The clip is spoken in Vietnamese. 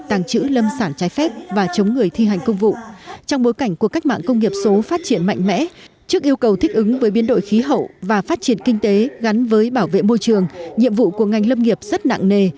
trong bối cảnh cuộc cách mạng công nghiệp số phát triển mạnh mẽ trước yêu cầu thích ứng với biến đổi khí hậu và phát triển kinh tế gắn với bảo vệ môi trường nhiệm vụ của ngành lâm nghiệp rất nặng nề